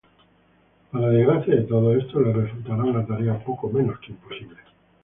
Para desgracia de todos, esto les resultará una tarea poco menos que imposible.